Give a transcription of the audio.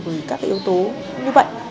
bởi các yếu tố như vậy